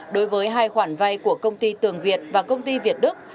đối với hai khoản vay của công ty tường việt và công ty việt đức